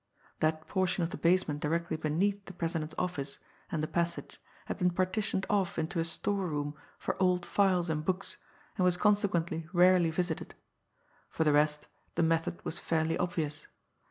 That portion of the basement directly beneath the president's office and the passage had been partitioned off into a storeroom for old files and books, and was consequently rarely visited. For the rest, the method was fairly obvious.